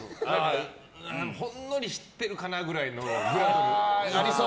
ほんのり知ってるかなぐらいの。